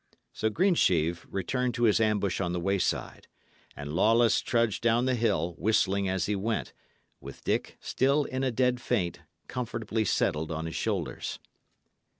So Greensheve returned to his ambush on the wayside, and Lawless trudged down the hill, whistling as he went, with Dick, still in a dead faint, comfortably settled on his shoulders.